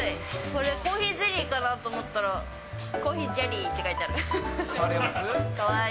これ、コーヒーゼリーかなと思ったら、珈琲じぇりーって書いてある。